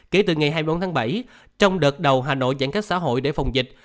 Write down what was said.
kể từ ngày hai mươi bốn tháng bảy trong đợt đầu hà nội giãn cách xã hội để phòng dịch